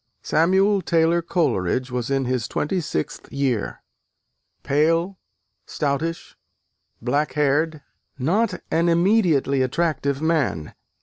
Samuel Taylor Coleridge was in his twenty sixth year: pale, stoutish, black haired: not an immediately attractive man.